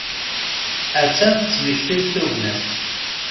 A-tt-an tettmekti-d tugna-as.